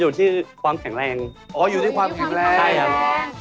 อยู่ที่ความแข็งแรงอยู่ที่ความแข็งแรง